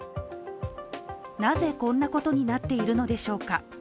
なぜこんなことになっているのでしょうか。